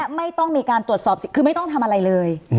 ไม่ต้องมีการตรวจสอบสิทธิ์คือไม่ต้องทำอะไรเลย